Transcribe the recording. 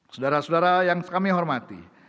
saudara saudara yang kami hormati